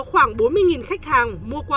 khoảng bốn mươi khách hàng mua qua